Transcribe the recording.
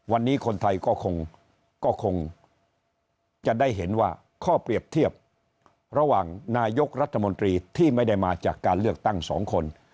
วันนี้คนไทยก็คงก็คงจะได้เห็นว่าข้อเปรียบเทียบระหว่างนายกรัฐมนตรีที่ไม่ได้มาจากการเลือกตั้ง๒คน